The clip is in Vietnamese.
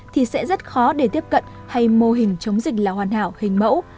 thì sẽ rất khó để tiếp cận hay mô hình chống dịch là hoàn hảo hình mẫu